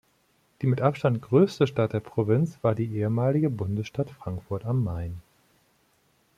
Die mit Abstand größte Stadt der Provinz war die ehemalige Bundesstadt Frankfurt am Main.